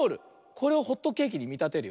これをホットケーキにみたてるよ。